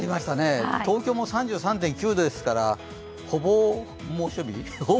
東京も３３．９度ですからほぼ猛暑日？